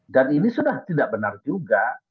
dan ini sudah tidak benar juga